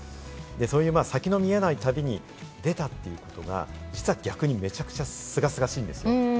そういう先の見えない旅に出たということが実は逆にめちゃくちゃ、すがすがしいんですよ。